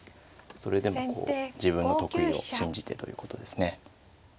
それでもこう自分の得意を信じてということですね。